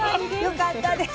よかったです。